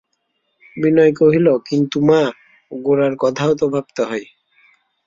বিনয় কহিল, কিন্তু মা, গোরার কথাও তো ভাবতে হয়।